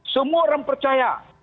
semua orang percaya